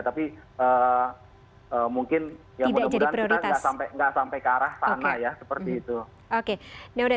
tapi mungkin tidak sampai ke arah sana ya